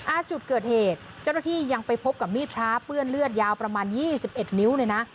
จุดเกิดเหตุเจ้าหน้าที่ยังไปพบกับมีดพระเปื้อนเลือดยาวประมาณ๒๑นิ้วเลยนะ